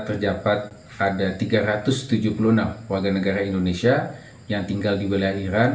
terdapat ada tiga ratus tujuh puluh enam warga negara indonesia yang tinggal di wilayah iran